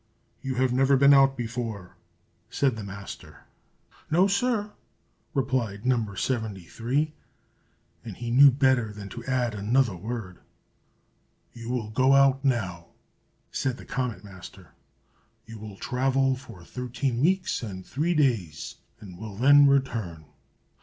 "You have never been out before," said the Master. "No, sir!" replied No. 73; and he knew better than to add another word. "You will go out now," said the Comet Master. "You will travel for thirteen weeks and three days, and will then return.